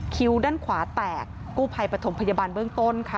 คิ้วด้านขวาแตกกู้ภัยปฐมพยาบาลเบื้องต้นค่ะ